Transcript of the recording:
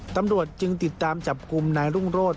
ตำรวจจึงติดตามจับกลุ่มนายรุ่งโรธ